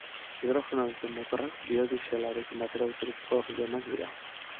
Hidrogenoa duten motorrak, biodieselarekin batera autorik ekologikoenak dira.